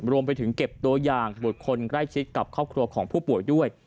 รวมไปถึงเก็บตัวอย่างบุคคลใกล้ชิดกับครอบครัวของผู้ป่วยด้วย